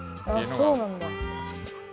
あっそうなんだ。